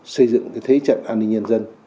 xây dựng cái thế trận an ninh nhân dân